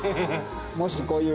もしこういう。